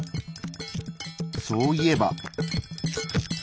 そういえば。